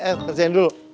eh kerjain dulu